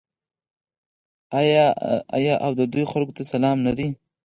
آیا او د دوی خلکو ته سلام نه دی؟